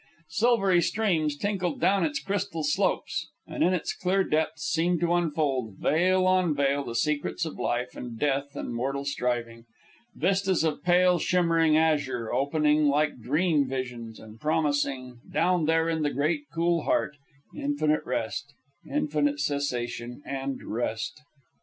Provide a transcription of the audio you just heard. Silvery streams tinkled down its crystal slopes; and in its clear depths seemed to unfold, veil on veil, the secrets of life and death and mortal striving, vistas of pale shimmering azure opening like dream visions, and promising, down there in the great cool heart, infinite rest, infinite cessation and rest.